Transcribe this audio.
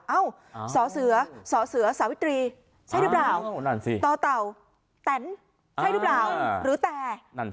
เอ้าสอเสือสเสือสาวิตรีใช่หรือเปล่านั่นสิต่อเต่าแตนใช่หรือเปล่าหรือแต่